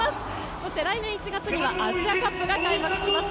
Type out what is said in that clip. そして来年１月にはアジアカップが開幕します。